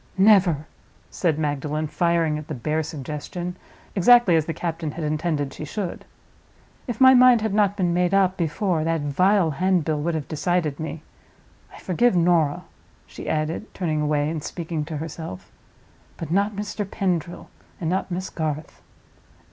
"Never!" said Magdalen, firing at the bare suggestion, exactly as the captain had intended she should. "If my mind had not been made up before, that vile handbill would have decided me. I forgive Norah," she added, turning away and speaking to herself, "but not Mr. Pendril, and not Miss Garth."